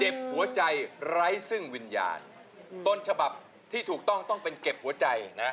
หัวใจไร้ซึ่งวิญญาณต้นฉบับที่ถูกต้องต้องเป็นเก็บหัวใจนะ